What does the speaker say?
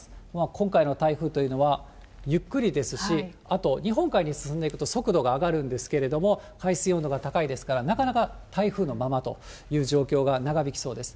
今回の台風というのは、ゆっくりですし、あと、日本海に進んでいくと速度が上がるんですけれども、海水温度が高いですから、なかなか台風のままという状況が長引きそうです。